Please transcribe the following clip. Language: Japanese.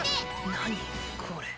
何これ。